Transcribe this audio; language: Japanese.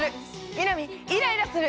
南イライラする。